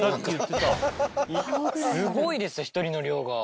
すごいですよ１人の量が。